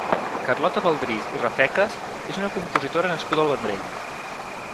Carlota Baldrís i Rafecas és una compositora nascuda al Vendrell.